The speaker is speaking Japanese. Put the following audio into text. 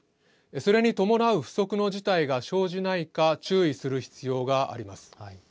それに伴う不測の事態が生じないか注意する必要があります。